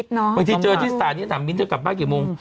บางทีเจอที่สถานีถามมิ้นเธอกลับบ้านกี่โมง